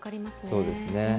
そうですね。